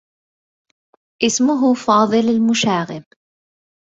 إسمه فاضل المشاغب.